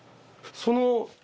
その。